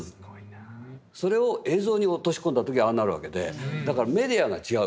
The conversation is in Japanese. それを映像に落とし込んだ時ああなるわけでだからメディアが違う。